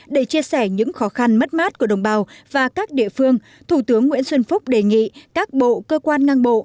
để chia sẻ những khó khăn mất mát của đồng bào và các địa phương thủ tướng nguyễn xuân phúc đề nghị các bộ cơ quan ngang bộ